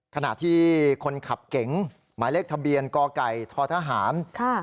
ขณะที่คนขับเก๋งหมายเลขทะเบียนกไก่ททหาร